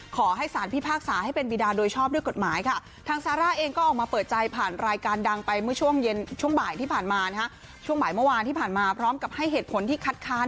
ขอให้ศานที่ภาคศาให้เป็นวีดาโดยชอบด้วยกฎหมาย